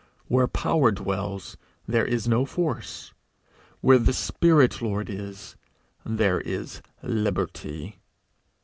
Where power dwells, there is no force; where the spirit Lord is, there is liberty.